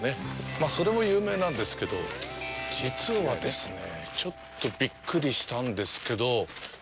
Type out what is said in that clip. まあ、それも有名なんですけど、実はですね、ちょっとびっくりしたんですけど。